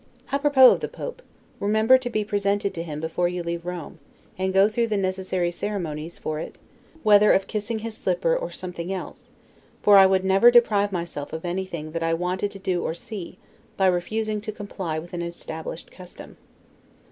Apropos of the Pope: remember to be presented to him before you leave Rome, and go through the necessary ceremonies for it, whether of kissing his slipper or his b h; for I would never deprive myself of anything that I wanted to do or see, by refusing to comply with an established custom.